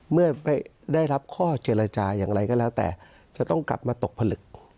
เมื่อได้รับข้อเจรจาอย่างไรก็แล้วแต่จะต้องกลับมาตกผลึก